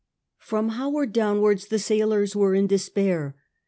From Howard downwards the sailors were in despair.